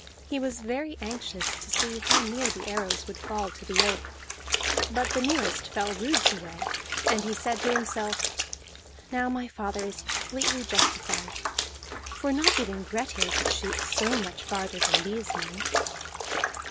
He was very anxious to see how near the arrows would fall to the oak; but the nearest fell roods away, and he said to himself, "Now my father is completely justified, for not even Grettir could shoot so much farther than these men."